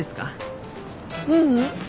ううん。